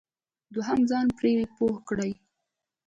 دوهم ځان پرې پوه کړئ.